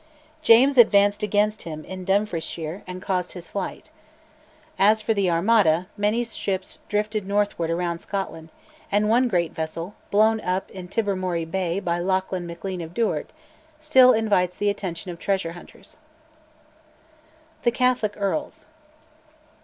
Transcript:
James advanced against him in Dumfriesshire and caused his flight. As for the Armada, many ships drifted north round Scotland, and one great vessel, blown up in Tobermory Bay by Lachlan Maclean of Duart, still invites the attention of treasure hunters (1911). THE CATHOLIC EARLS.